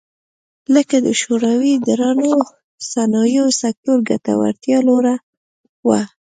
لکه د شوروي درنو صنایعو سکتور ګټورتیا لوړه وه